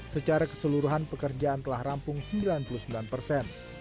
secara keseluruhan pekerjaan telah rampung sembilan puluh sembilan persen